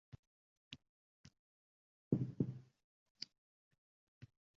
Tongda tursa tizza bo`yi qor yoqqan